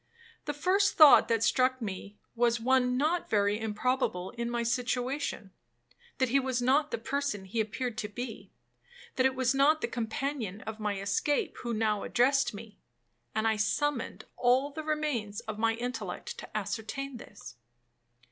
The first thought that struck me was one not very improbable in my situation, that he was not the person he appeared to be,—that it was not the companion of my escape who now addressed me; and I summoned all the remains of my intellect to ascertain this.